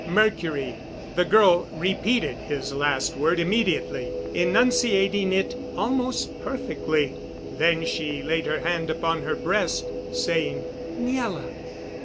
"Mercury." The girl repeated his last word immediately, enunciating it almost perfectly. Then she laid her hand upon her breast, saying: "Miela."